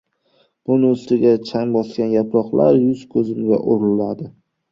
Buning ustiga chang bosgan yaproqlar yuz-ko‘zimga uriladi.